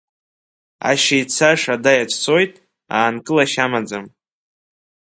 Ашьа ицаша ада иацәцоит, аанкылашьа амаӡам.